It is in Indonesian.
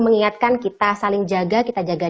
mengingatkan kita saling jaga kita jaga